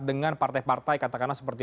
dengan partai partai katakanlah seperti